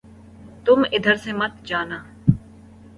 تم ادھر سے مت جانا